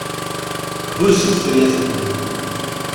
Huzzet tuyat-nwen.